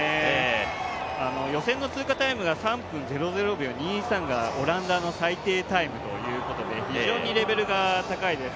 予選の通過タイムが３分００秒２３がオランダの最低タイムということで、非常にレベルが高いです。